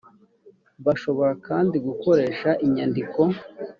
bashobora kandi gukoresha inyandiko